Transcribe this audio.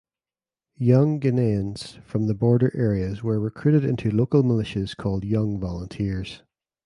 Young Guineans from the border areas were recruited into local militias called Young Volunteers.